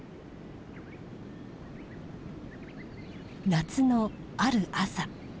夏のある朝。